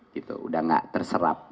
gitu udah gak terserap